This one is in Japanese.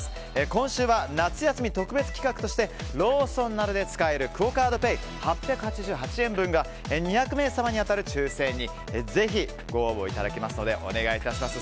今週は夏休み特別企画としてローソンなどで使えるクオ・カードペイ８８８円分が２００名様に当たる抽選にぜひご応募いただけますのでお願いいたします。